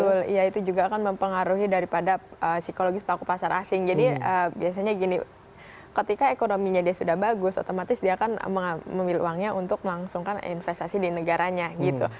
betul ya itu juga akan mempengaruhi daripada psikologis pelaku pasar asing jadi biasanya gini ketika ekonominya dia sudah bagus otomatis dia akan memilih uangnya untuk melangsungkan investasi di negaranya gitu